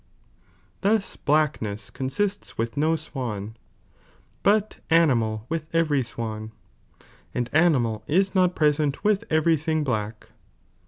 Thus blackness consists with no swan, butaninial with every swan, and animal is not present with every thing black.